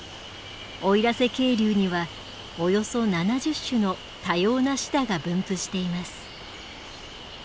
奥入瀬渓流にはおよそ７０種の多様なシダが分布しています。